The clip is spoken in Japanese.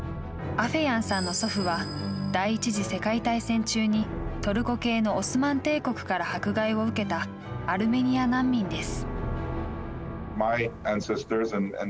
アフェヤンさんの祖父は第１次世界大戦中にトルコ系のオスマン帝国から迫害を受けたアルメニア難民です。